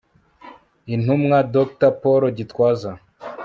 INTUMWA DR PAUL GITWAZA